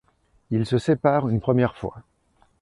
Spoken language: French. Ils se séparent une première fois.